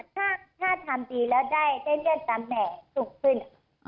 ถ้าทำดีแล้วได้เลือดตามแหม่สูงขึ้น